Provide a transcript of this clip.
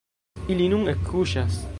Ili nun ekkuŝas.